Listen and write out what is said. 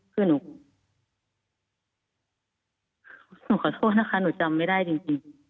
คือหนูขอโทษนะคะหนูจำไม่ได้จริง